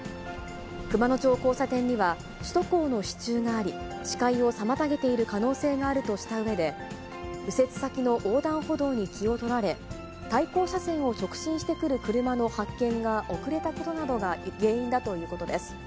熊野町交差点には、首都高の支柱があり、視界を妨げている可能性があるとしたうえで、右折先の横断歩道に気を取られ、対向車線を直進してくる車の発見が遅れたことなどが原因だということです。